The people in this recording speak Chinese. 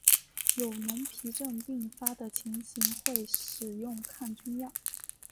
有脓皮症并发的情形会使用抗菌药。